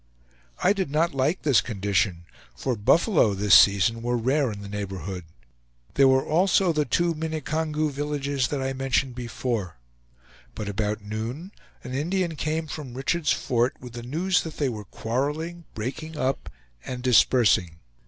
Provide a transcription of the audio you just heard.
I did not like this condition, for buffalo this season were rare in the neighborhood. There were also the two Minnicongew villages that I mentioned before; but about noon, an Indian came from Richard's Fort with the news that they were quarreling, breaking up, and dispersing.